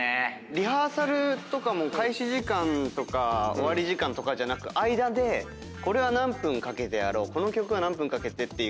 リハーサルとかも開始時間とか終わり時間とかじゃなく間でこれは何分かけてやろうこの曲は何分かけてっていう。